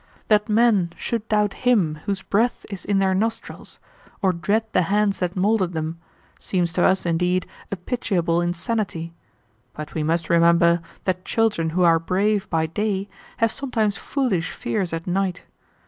That men should doubt Him whose breath is in their nostrils, or dread the hands that moulded them, seems to us indeed a pitiable insanity; but we must remember that children who are brave by day have sometimes foolish fears at night.